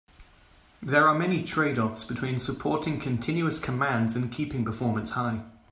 There are many trade-offs between supporting continuous commands and keeping performance high.